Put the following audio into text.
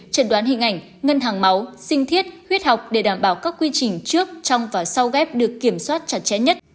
trần đoán hình ảnh ngân hàng máu sinh thiết huyết học để đảm bảo các quy trình trước trong và sau ghép được kiểm soát chặt chẽ nhất